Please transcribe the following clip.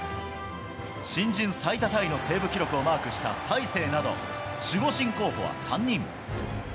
新人最多タイのセーブ記録をマークした大勢など、守護神候補は３人。